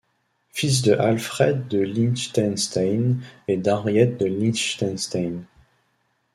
Fils de Alfred de Liechtenstein et d'Henriette de Liechtenstein.